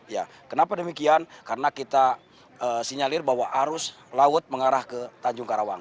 ya kenapa demikian karena kita sinyalir bahwa arus laut mengarah ke tanjung karawang